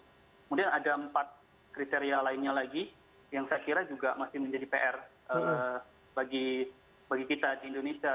kemudian ada empat kriteria lainnya lagi yang saya kira juga masih menjadi pr bagi kita di indonesia